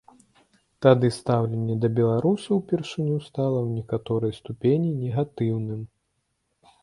Тады стаўленне да беларусаў упершыню стала ў некаторай ступені негатыўным.